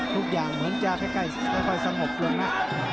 ทุกอย่างเหมือนจะค่อยสงบลงนะ